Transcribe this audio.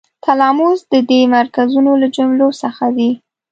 تلاموس د دې مرکزونو له جملو څخه دی.